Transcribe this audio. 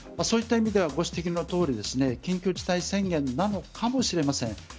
そういった意味ではご指摘のとおり緊急事態宣言なのかもしれません。